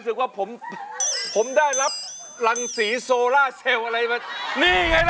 ร้องได้ให้ร้าน